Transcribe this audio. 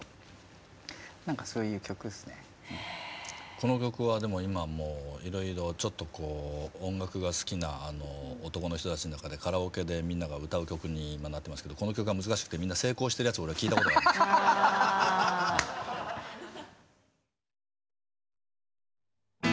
この曲は今もういろいろ音楽が好きな男の人たちの中でカラオケでみんなが歌う曲に今なってますけどこの曲は難しくてみんな成功してるやつ俺は聴いた事がありません。